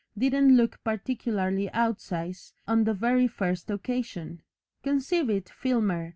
didn't look particularly outsize, on the very first occasion. Conceive it! Filmer!